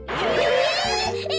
え！